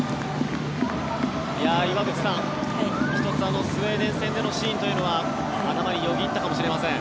岩渕さん、１つスウェーデン戦でのシーンというのは頭をよぎったかもしれません。